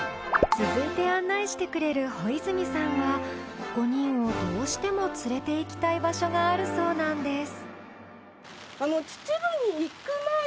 続いて案内してくれる保泉さんは５人をどうしても連れていきたい場所があるそうなんです